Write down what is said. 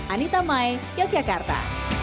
anita mai yogyakarta